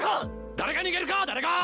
誰が逃げるかー！